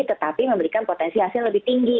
tetapi memberikan potensi hasil lebih tinggi